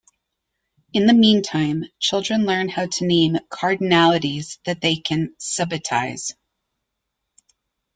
In the mean time, children learn how to name cardinalities that they can subitize.